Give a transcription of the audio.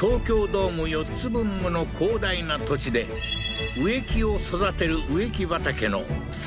東京ドーム４つ分もの広大な土地で植木を育てる植木畑の作業